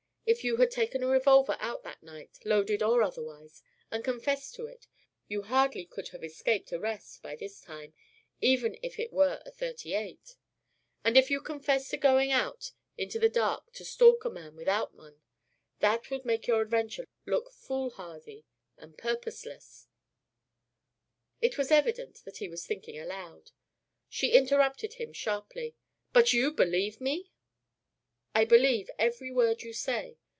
If you had taken a revolver out that night, loaded or otherwise, and confessed to it, you hardly could have escaped arrest by this time, even if it were a .38. And if you confessed to going out into the dark to stalk a man without one that would make your adventure look foolhardy and purposeless " It was evident that he was thinking aloud. She interrupted him sharply: "But you believe me?" "I believe every word you say.